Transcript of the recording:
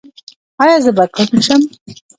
ایا زه به کڼ شم؟